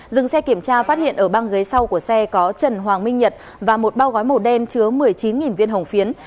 dừng xe kiểm tra phát hiện ở băng ghế sau của xe có trần hoàng minh nhật và một bao gói màu đen chứa một mươi chín viên hồng phiến